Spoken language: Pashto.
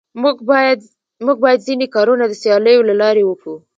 موږ بايد ځيني کارونه د سياليو له لاري وکو.